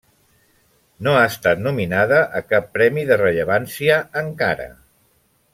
No ha estat nominada a cap premi de rellevància encara.